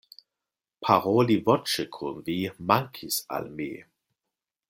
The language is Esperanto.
Paroli voĉe kun vi mankis al mi